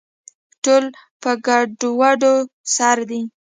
ټول په ګډووډو سر دي